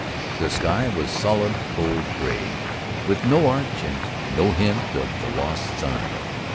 The sky was solid cold gray, with no arch and no hint of the lost sun.